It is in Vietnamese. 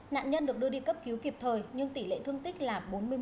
nạn nhân được đưa đi cấp cứu kịp thời nhưng tỷ lệ thương tích là bốn mươi một